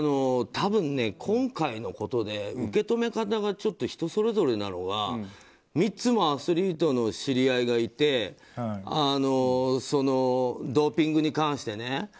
多分ね、今回のことで受け止め方がちょっと人それぞれなのはミッツもアスリートの知り合いがいてドーピングに関してね